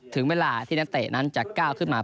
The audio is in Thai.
ถึงเวลาที่นักเตะนั้นจะก้าวขึ้นมา